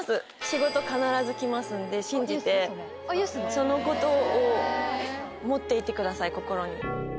仕事必ず来ますんで信じてそのことを持っていてください心に。